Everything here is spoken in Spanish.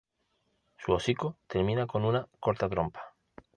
Su hocico termina en una corta trompa.